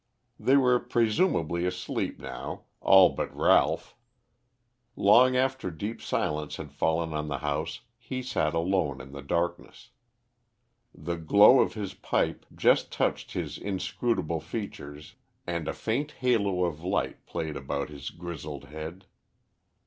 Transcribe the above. They were presumably asleep now, all but Ralph. Long after deep silence had fallen on the house he sat alone in the darkness. The glow of his pipe just touched his inscrutable features and a faint halo of light played about his grizzled head.